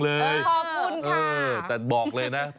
คุณผู้ชมอย่าไปเชื่อ